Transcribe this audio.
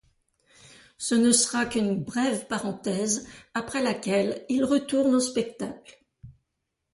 Ce ne sera qu'une brève parenthèse, après laquelle il retourne au spectacle.